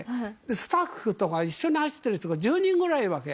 スタッフとか一緒に走ってる人が１０人ぐらいいるわけ。